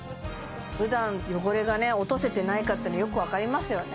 普段汚れがね落とせてないかっていうのよく分かりますよね